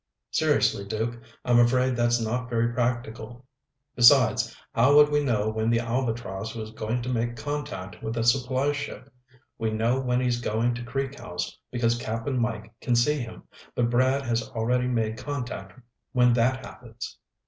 "Seriously, Duke, I'm afraid that's not very practical. Besides, how would we know when the Albatross was going to make contact with a supply ship? We know when he's going to Creek House, because Cap'n Mike can see him. But Brad has already made contact when that happens."